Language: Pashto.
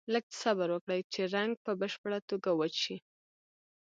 لږ څه صبر وکړئ چې رنګ په بشپړه توګه وچ شي.